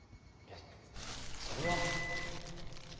えっそれは。